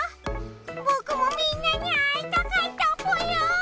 ぼくもみんなに会いたかったぽよ。